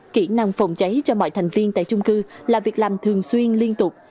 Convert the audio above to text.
kỹ năng phòng cháy cho mọi thành viên tại chung cư là việc làm thường xuyên liên tục